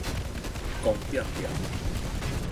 狂抨抨